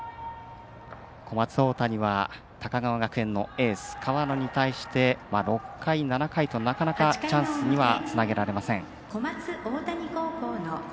小松大谷は高川学園のエース、河野に対して６回、７回となかなかチャンスにはつなげられません。